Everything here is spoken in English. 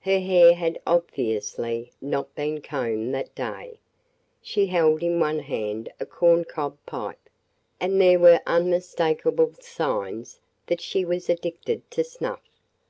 Her hair had obviously not been combed that day, she held in one hand a corn cob pipe, and there were unmistakable signs that she was addicted to snuff.